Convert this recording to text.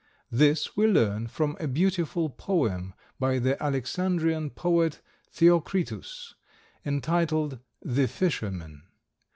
This we learn from a beautiful poem by the Alexandrian poet Theocritus, entitled "The Fishermen."